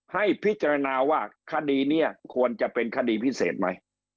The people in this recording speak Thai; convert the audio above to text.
ให้พิจารณาว่าคดีนี้ควรจะเป็นคดีพิเศษไหม